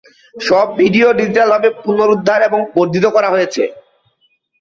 সব ভিডিও ডিজিটালভাবে পুনরুদ্ধার এবং বর্ধিত করা হয়েছে।